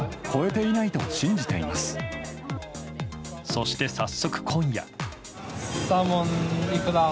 そして早速、今夜。